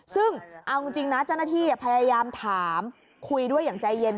ซึ่งเอาจริงนะเจ้าหน้าที่พยายามถามคุยด้วยอย่างใจเย็น